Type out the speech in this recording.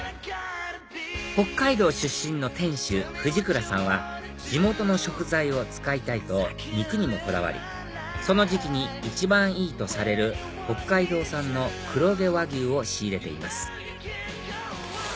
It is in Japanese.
北海道出身の店主藤倉さんは地元の食材を使いたいと肉にもこだわりその時期に一番いいとされる北海道産の黒毛和牛を仕入れています